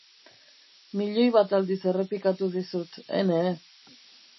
Milioi bat aldiz errepikatu dizut, ene.